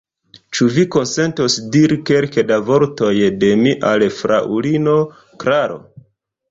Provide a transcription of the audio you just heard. Ĉu vi konsentos diri kelke da vortoj de mi al fraŭlino Klaro?